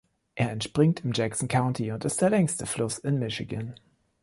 Er entspringt im Jackson County und ist der längste Fluss in Michigan.